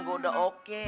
gua udah oke